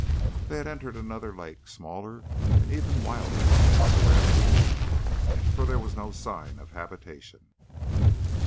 They had entered another lake, smaller and even wilder in its surroundings, for there was no sign of habitation.